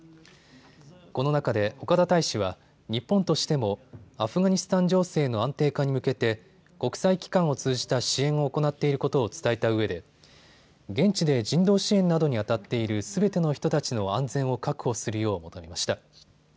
この中で岡田大使は日本としてもアフガニスタン情勢の安定化に向けて国際機関を通じた支援を行っていることを伝えたうえで現地で人道支援などにあたっているすべての人たちの安全を確保するよう求めました。